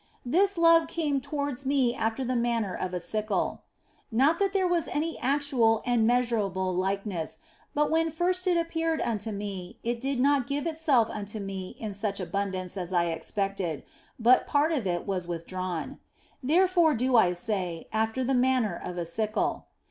This love came towards me after the manner of a sickle. Not that there was any actual and measurable likeness, but when first it appeared unto me it did not give itself unto me in such abundance as I expected, but part of it was withdrawn. Therefore do I say, after the manner of a sickle.